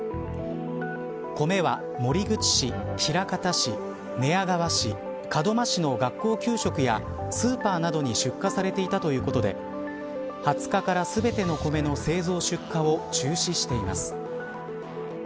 米は守口市、枚方市寝屋川市、門真市の学校給食やスーパーなどに出荷されていたということで２０日から全てのコメの製造出荷を中止しています。